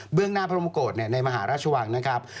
เบื้องนาพระมกฏในมหาราชวังนะครับ